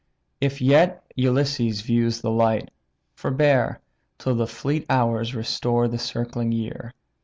If yet Ulysses views the light, forbear, Till the fleet hours restore the circling year.